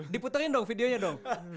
diputerin dong videonya dong